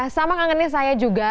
sama kangennya saya juga